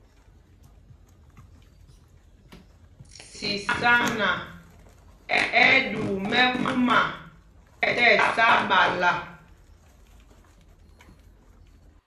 Sisana ɛ́ ɛ́ ɗuu mɛkúma tí ɛsá ɓala.